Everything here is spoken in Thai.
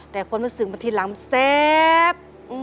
แต่คนมาสี่มาที่หลังแซ่บ